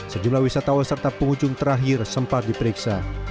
sejumlah wisatawa serta penghujung terakhir sempat diperiksa